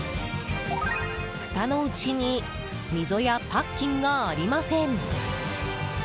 ふたの内に溝やパッキンがありません。